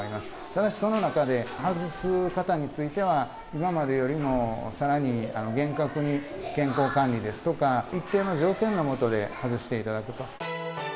ただし、その中で、外す方については、今までよりもさらに厳格に健康管理ですとか、一定の条件の下で外していただくと。